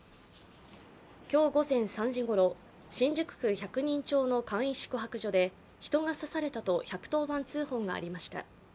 今日午前３時ごろ新宿区百人町の簡易宿泊所で人が刺されたと１１０番通報がありました。